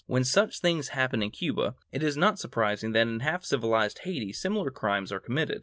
When such things happen in Cuba, it is not surprising that in half civilized Hayti similar crimes are committed.